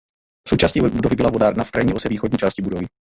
Součástí budovy byla vodárna v krajní ose východní části budovy.